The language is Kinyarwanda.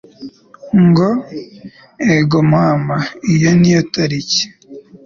Ngo: Ego mama iyo ni yo tanki